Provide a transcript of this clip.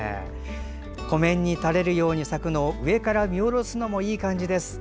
湖面にたれるように咲くのを上から見下ろすのもいい感じです。